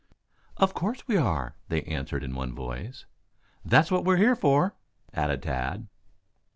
"Of course we are," they answered in one voice. "That's what we are up here for," added Tad.